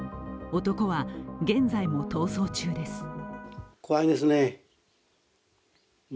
男は現在も逃走中です。